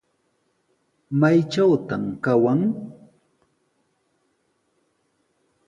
¿Maytrawtaq kawan?